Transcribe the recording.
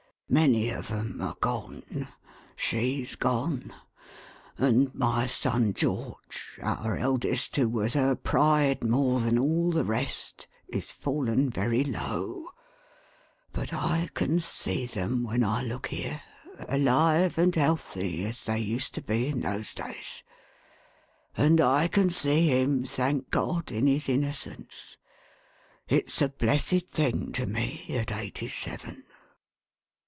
Many of 'em are gone; she's gone; and mv son George (our eldest, who was her pride more than all the rest !) is fallen very low : but I can see them, when I look here, alive and healthy, as they used to be in those days ; and I can see him, thank God, in his innocence. It's a blessed thing to me, at eighty seven."